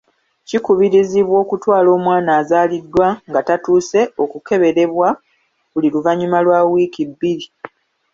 Kikubirizibwa okutwala omwana azaaliddwa nga tatuuse okukeberebwa buli luvannyuma lwa wiiki bbiri.